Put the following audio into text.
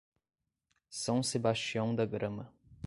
São Sebastião da Grama